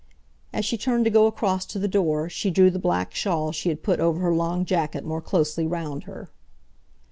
As she turned to go across to the door, she drew the black shawl she had put over her long jacket more closely round her.